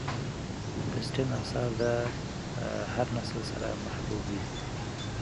د اسټن آثار د هر نسل سره محبوب دي.